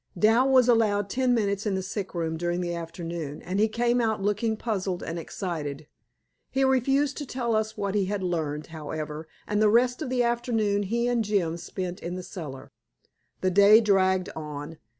Dal was allowed ten minutes in the sick room during the afternoon, and he came out looking puzzled and excited. He refused to tell us what he had learned, however, and the rest of the afternoon he and Jim spent in the cellar. The day dragged on.